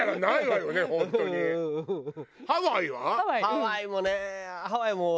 ハワイもねハワイも。